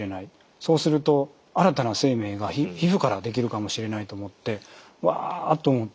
そうすると新たな生命が皮膚からできるかもしれないと思ってうわと思って。